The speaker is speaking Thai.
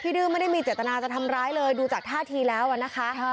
ดื้อไม่ได้มีเจตนาจะทำร้ายเลยดูจากท่าทีแล้วนะคะ